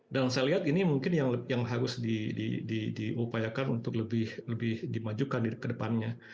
dan saya lihat ini mungkin yang harus diupayakan untuk lebih dimajukan ke depannya